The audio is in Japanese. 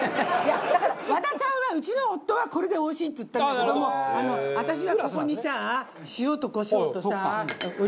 だから和田さんはうちの夫はこれでおいしいって言ったんだけども私はここにさ塩とコショウとさオリーブオイルやるのよ。